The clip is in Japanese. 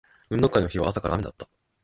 運動会の日は朝から雨だった